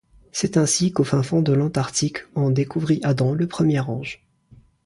C'est ainsi qu'au fin fond de l'Antarctique, on découvrit Adam, le premier ange.